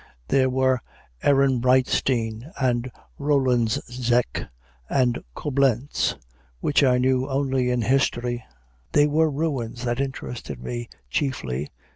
There were Ehrenbreitstein and Rolandseck and Coblentz, which I knew only in history. They were ruins that interested me chiefly.